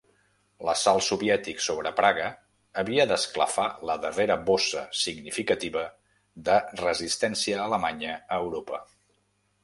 L'assalt soviètic sobre Praga havia d'esclafar la darrera bossa significativa de resistència alemanya a Europa.